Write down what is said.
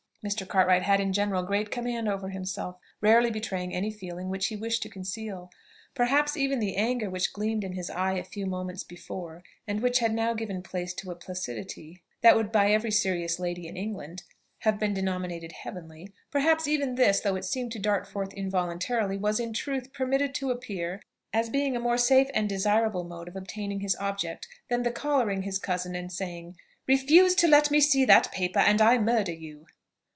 Mr. Cartwright had in general great command over himself, rarely betraying any feeling which he wished to conceal. Perhaps even the anger which gleamed in his eye a few moments before, and which had now given place to a placidity that would by every serious lady in England have been denominated "heavenly," perhaps even this, though it seemed to dart forth involuntarily, was in truth permitted to appear, as being a more safe and desirable mode of obtaining his object than the collaring his cousin and saying, "Refuse to let me see that paper, and I murder you!"